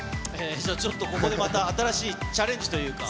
じゃあちょっと、ここでまた新しいチャレンジというか。